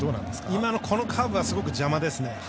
今の、このカーブはすごく邪魔ですね。